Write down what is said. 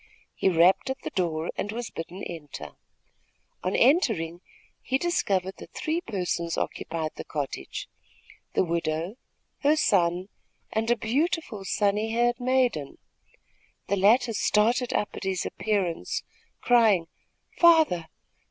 He rapped at the door and was bidden enter. On entering, he discovered that three persons occupied the cottage the widow, her son and a beautiful, sunny haired maiden. The latter started up at his appearance, crying: "Father!